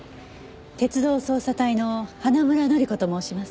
鉄道捜査隊の花村乃里子と申します。